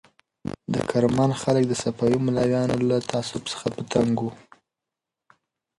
د کرمان خلک د صفوي ملایانو له تعصب څخه په تنګ وو.